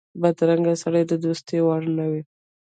بدرنګه سړی د دوستۍ وړ نه وي